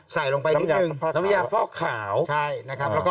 ใส่ลงไปนิดนึง